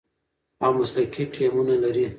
او مسلکي ټیمونه لري،